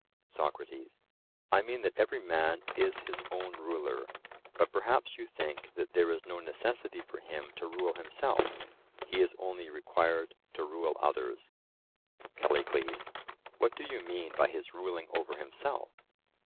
SOCRATES: I mean that every man is his own ruler; but perhaps you think that there is no necessity for him to rule himself; he is only required to rule others? CALLICLES: What do you mean by his "ruling over himself"?